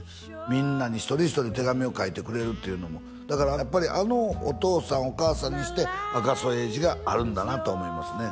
みんなに一人一人手紙を書いてくれるっていうのもだからやっぱりあのお父さんお母さんにして赤楚衛二があるんだなと思いますね